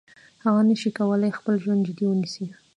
هغه نشي کولای خپل ژوند جدي ونیسي.